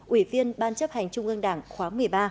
ủy viên ban chấp hành trung ương đảng khóa một mươi ba